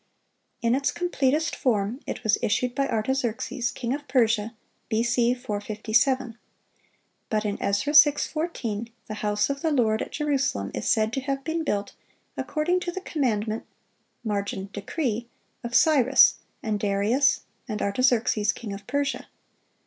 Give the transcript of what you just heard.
(540) In its completest form it was issued by Artaxerxes, king of Persia, B.C. 457. But in Ezra 6:14 the house of the Lord at Jerusalem is said to have been built "according to the commandment [margin, decree] of Cyrus, and Darius, and Artaxerxes king of Persia."